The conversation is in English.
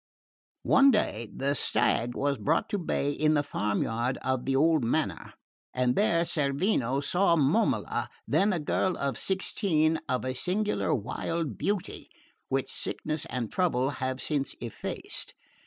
One day the stag was brought to bay in the farm yard of the old manor, and there Cerveno saw Momola, then a girl of sixteen, of a singular wild beauty which sickness and trouble have since effaced.